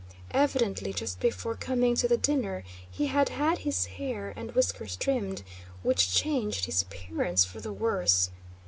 Evidently just before coming to the dinner he had had his hair and whiskers trimmed, which changed his appearance for the worse.